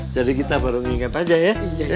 jadi kita baru nginget aja ya